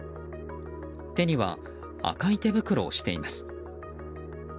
手には赤い手袋をしています。